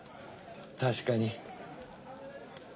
確かに。